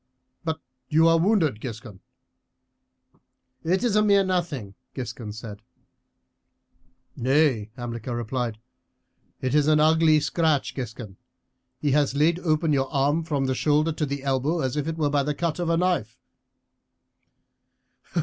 But you are wounded, Giscon." "It is a mere nothing," Giscon said. "Nay," Hamilcar replied, "it is an ugly scratch, Giscon; he has laid open your arm from the shoulder to the elbow as if it were by the cut of a knife."